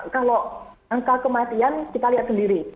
kalau angka kematian kita lihat sendiri